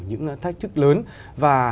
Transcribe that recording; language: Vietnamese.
những thách thức lớn và